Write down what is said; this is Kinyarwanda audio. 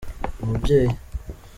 umubyeyi.